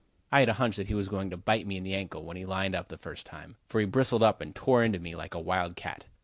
I had a hunch that he was going to bite me in the ankle, when he lined up the first time, for he bristled up and tore into me like a wild cat.